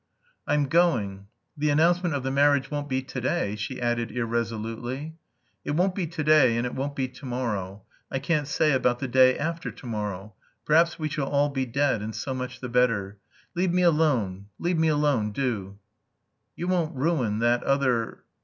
"I'm going. The announcement of the marriage won't be to day?" she added irresolutely. "It won't be to day, and it won't be to morrow. I can't say about the day after to morrow. Perhaps we shall all be dead, and so much the better. Leave me alone, leave me alone, do." "You won't ruin that other...